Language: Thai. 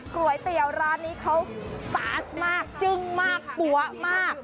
ก๋วยเตี๋ยวร้านนี้เขาซาสมากจึ้งมากปั๊วมาก